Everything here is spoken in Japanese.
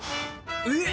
えっ！